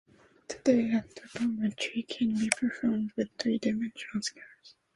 Today anthropometry can be performed with three-dimensional scanners.